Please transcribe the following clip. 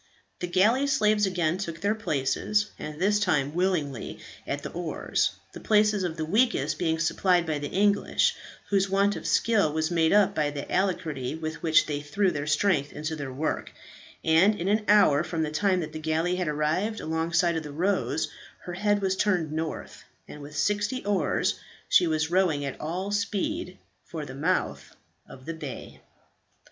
The galley slaves again took their places, and this time willingly, at the oars, the places of the weakest being supplied by the English, whose want of skill was made up by the alacrity with which they threw their strength into the work; and in an hour from the time that the galley had arrived alongside of the "Rose," her head was turned north, and with sixty oars she was rowing at all speed for the mouth of the bay.